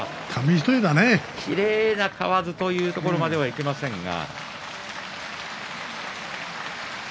きれいな、かわずというところまではいきませんが。